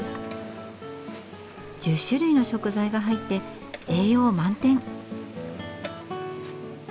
１０種類の食材が入って栄養満点。